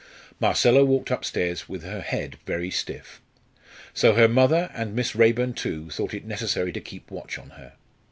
Marcella walked upstairs with her head very stiff. So her mother, and Miss Raeburn too, thought it necessary to keep watch on her.